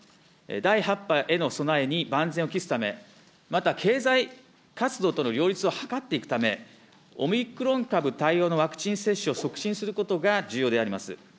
第８波への備えに万全を期すため、また経済活動との両立を図っていくため、オミクロン株対応のワクチン接種を促進することが重要であります。